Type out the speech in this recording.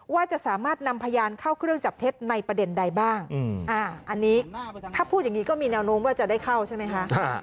ว่าจะสามารถนำพยานเข้าเครื่องจับเท็จในประเด็นใดบ้างอันนี้ถ้าพูดอย่างนี้ก็มีแนวโน้มว่าจะได้เข้าใช่ไหมคะ